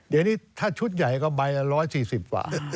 เดี๋ยวนี้ถ้าชุดใหญ่ก็ใบละ๑๔๐กว่า